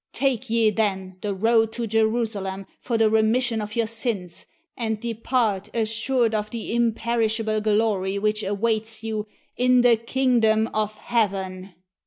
Take ye, then, the road to Jerusalem for the remission of your sins, and depart assured of the imperishable glory which awaits you in the kingdom of heaven."